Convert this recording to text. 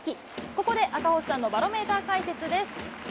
ここで赤星さんのバロメーター解説です。